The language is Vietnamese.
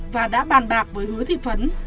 và đã bàn bạc với hứa thị phấn